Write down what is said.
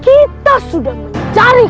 kita sudah mencari